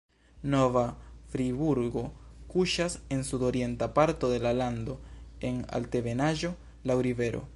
Nova Friburgo kuŝas en sudorienta parto de la lando en altebenaĵo laŭ rivero.